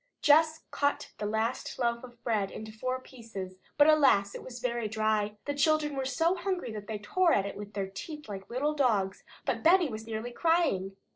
Jess cut the last loaf of bread into four pieces, but alas! it was very dry. The children were so hungry that they tore it with their teeth like little dogs, but Benny was nearly crying.